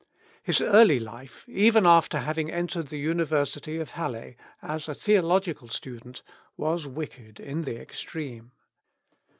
His early life, even after having entered the University of Halle, as a theological student, was wicked iu the extreme.